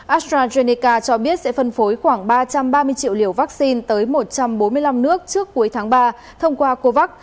astrazeneca cho biết sẽ phân phối khoảng ba trăm ba mươi triệu liều vaccine tới một trăm bốn mươi năm nước trước cuối tháng ba thông qua covax